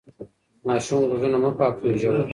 د ماشوم غوږونه مه پاکوئ ژور.